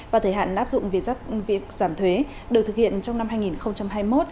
và thời hạn áp dụng việc giảm thuế được thực hiện trong năm hai nghìn hai mươi một